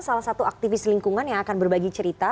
salah satu aktivis lingkungan yang akan berbagi cerita